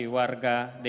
untuk memperbaiki karakter